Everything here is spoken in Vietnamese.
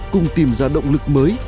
cùng tìm ra động lực mới